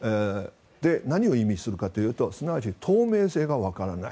何を意味するかというとすなわち透明性がわからない。